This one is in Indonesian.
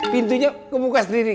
pintunya kebuka sendiri